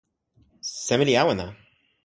seme li awen a?